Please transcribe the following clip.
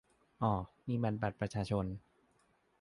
อ่อ นี่มันบัตรประชาชน